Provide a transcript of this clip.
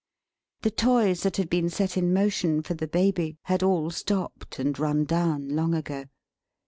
The toys that had been set in motion for the Baby, had all stopped and run down, long ago.